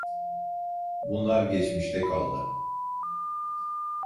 Bunlar geçmişte kaldı.